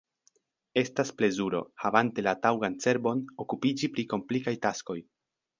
Estas plezuro – havante la taŭgan cerbon – okupiĝi pri komplikaj taskoj.